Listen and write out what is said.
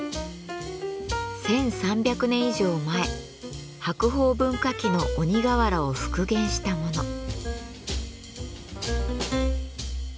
１，３００年以上前白鳳文化期の鬼瓦を復元したもの。